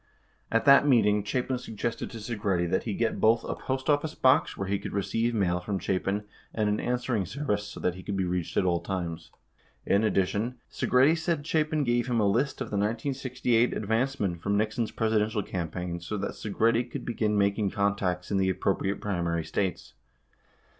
17 At that meeting, Chapin suggested to Segretti that he get both a post office box where he could receive mail from Chapin and an an swering service so that he could be reached at all times. In addition, Segretti said Chapin gave him a list of the 1968 advancemen from Nixon's Presidential campaign so that Segretti could begin making contacts in the appropriate primary States.